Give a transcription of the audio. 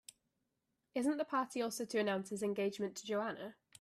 Isn't the party also to announce his engagement to Joanna?